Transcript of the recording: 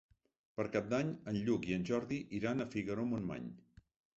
Per Cap d'Any en Lluc i en Jordi iran a Figaró-Montmany.